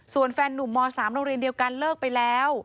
ส่วนแฟนนุ่มม๓โรงเรียนเดียวกันเลิกไปแล้ว